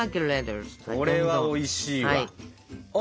これはおいしいわ。